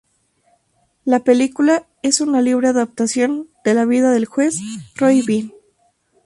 La película es una libre adaptación de la vida del juez Roy Bean.